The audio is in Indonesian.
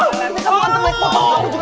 nanti kamu hantar mau aku potong